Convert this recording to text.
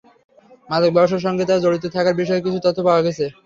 মাদক ব্যবসার সঙ্গে তাঁর জড়িত থাকার বিষয়ে কিছু তথ্য পাওয়া গেছে।